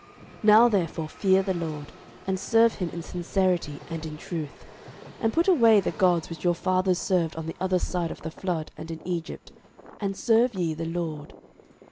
06:024:014 Now therefore fear the LORD, and serve him in sincerity and in truth: and put away the gods which your fathers served on the other side of the flood, and in Egypt; and serve ye the LORD.